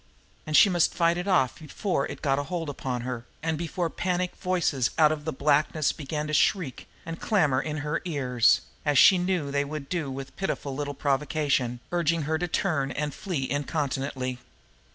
And she must fight it off before it got a hold upon her, and before panic voices out of the blackness began to shriek and clamor in her ears, as she knew they would do with pitifully little provocation, urging her to turn and flee incontinently.